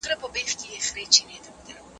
زده کوونکي په صنف کي نوي اپلیکیشنونه ازمویي.